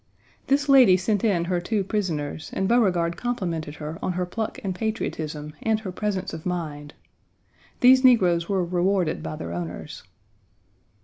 This lady sent in her two prisoners, and Beauregard complimented her on her pluck and patriotism, and her presence of mind. These negroes were rewarded by their owners.